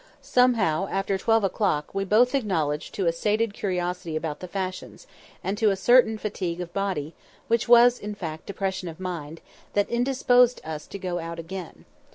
Somehow, after twelve o'clock, we both acknowledged to a sated curiosity about the fashions, and to a certain fatigue of body (which was, in fact, depression of mind) that indisposed us to go out again.